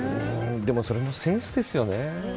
でもそれもセンスですよね。